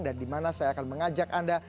dan dimana saya akan mengajak anda